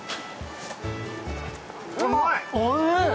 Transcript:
おいしい！